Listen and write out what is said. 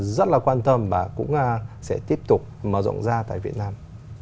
rất là quan tâm và cũng sẽ tiếp tục mở rộng ra tại việt nam